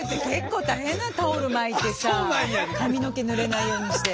タオル巻いてさ髪の毛ぬれないようにして。